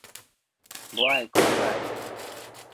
無愛閣再